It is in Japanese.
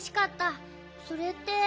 それって。